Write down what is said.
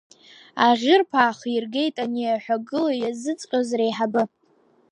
Аӷьырԥ ааихиргеит ани аҳәагыла иазыҵҟьоз реиҳабы.